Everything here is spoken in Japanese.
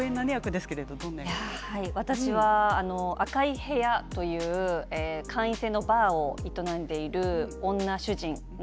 私は赤い部屋という会員制のバー営んでいます。